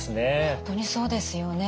本当にそうですよね。